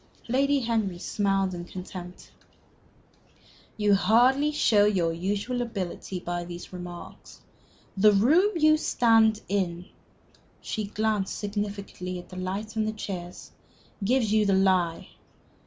Lady Henry smiled in contempt. "You hardly show your usual ability by these remarks. The room you stand in" she glanced significantly at the lights and the chairs "gives you the lie.